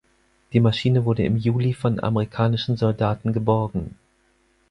Die Maschine wurde im Juli von amerikanischen Soldaten geborgen.